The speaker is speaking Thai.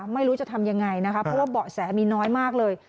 ไม่รู้จะทำยังไงนะคะเพราะว่าเบาะแสมีน้อยมากเลย